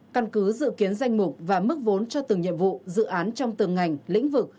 căn cứ dự kiến danh mục và mức vốn cho từng nhiệm vụ dự án trong từng ngành lĩnh vực